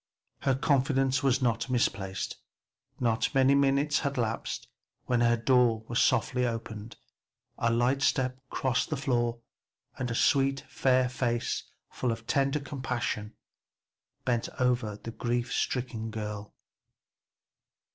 Her confidence was not misplaced. Not many minutes had elapsed when her door was softly opened, a light step crossed the floor and a sweet fair face, full of tender compassion, bent over the grief stricken girl.